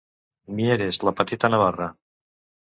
Mieres, la petita Navarra.